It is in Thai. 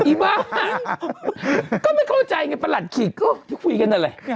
อีบ๊าก็ไม่เข้าใจไงปลดคิดที่คุยกันอะไร